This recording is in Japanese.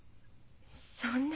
そんな。